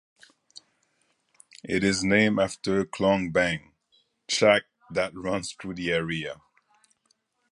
It is named after Khlong Bang Chak that runs through the area.